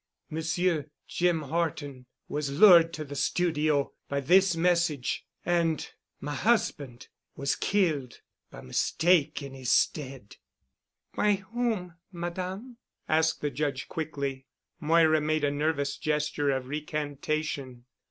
Monsieur Jim Horton was lured to the studio by this message and—my husband—was killed by mistake in his stead." "By whom, Madame?" asked the Judge quickly. Moira made a nervous gesture of recantation.